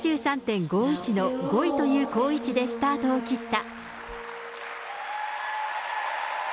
７３．５１の５位という好位置でスタートを切った。